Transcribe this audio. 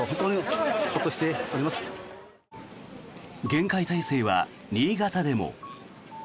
厳戒態勢は新潟でも。